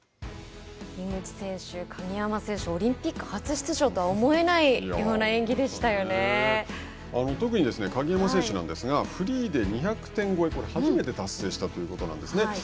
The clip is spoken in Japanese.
樋口選手、鍵山選手オリンピック初出場とは思えないような特に鍵山選手なんですがフリーで２００点超え初めて達成したということなんですね。